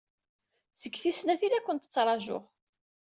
Seg tis snat ay la ken-ttṛajuɣ.